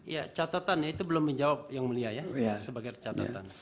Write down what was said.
ya catatan ya itu belum menjawab yang mulia ya sebagai catatan